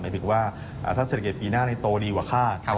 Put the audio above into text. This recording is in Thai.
ถึงว่าถ้าเศรษฐกิจปีหน้าโตดีกว่าคาด